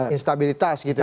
instabilitas gitu ya